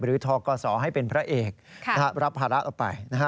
ทกศให้เป็นพระเอกรับภาระเอาไป